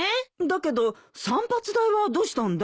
だけど散髪代はどうしたんだい？